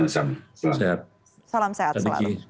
salam sehat selalu